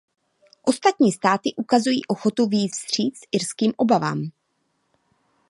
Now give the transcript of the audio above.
Ostatní státy ukazují ochotu vyjít vstříc irským obavám.